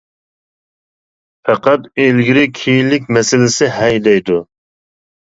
پەقەت ئىلگىرى كېيىنلىك مەسىلىسى ھەي دەيدۇ.